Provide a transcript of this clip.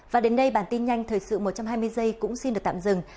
và đến đây bản tin nhanh thời sự một trăm hai mươi giây cũng xin được tạm dừng